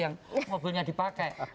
yang mobilnya dipakai